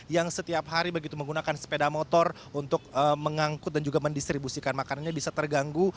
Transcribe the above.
yang setiap hari begitu menggunakan sepeda motor untuk mengangkut dan juga mendistribusikan makanannya bisa terganggu